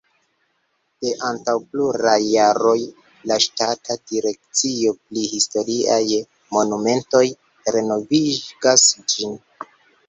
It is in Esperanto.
De antaŭ pluraj jaroj la ŝtata direkcio pri historiaj monumentoj renovigas ĝin.